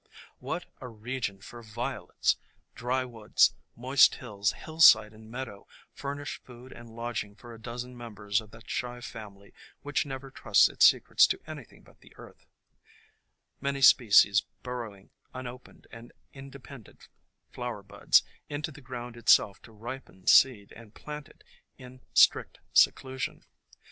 What a region for Violets! Dry woods, moist woods, hillside and meadow, furnish food and lodg ing for a dozen members of that shy family which never trusts its secrets to anything but the earth, many species burrowing unopened and independent flower buds into the ground itself to ripen seed and plant it in strict seclusion.